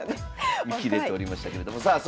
見切れておりましたけれどもさあ